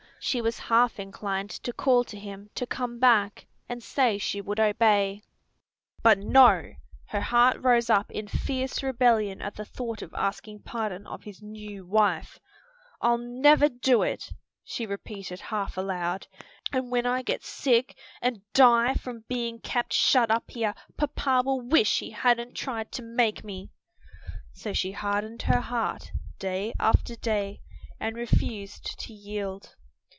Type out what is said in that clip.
She was half inclined to call to him to come back, and say she would obey. But no! her heart rose up in fierce rebellion at the thought of asking pardon of his "new wife." "I'll never do it!" she repeated half aloud, "and when I get sick and die from being kept shut up here papa will wish he hadn't tried to make me." So she hardened her heart day after day and refused to yield.